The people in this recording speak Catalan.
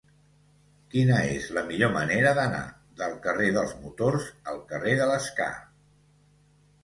Quina és la millor manera d'anar del carrer dels Motors al carrer de l'Escar?